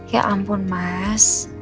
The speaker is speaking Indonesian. ya ampun mas